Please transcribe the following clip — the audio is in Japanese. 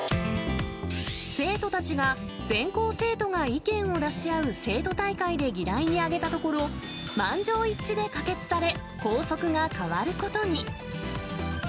生徒たちが、全校生徒が意見を出し合う生徒大会で議題に挙げたところ、満場一致で可決され、校則が変わることに。